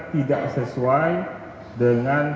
tidak sesuai dengan